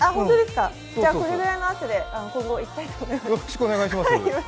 じゃあ、これくらいの圧で今後いきたいと思います。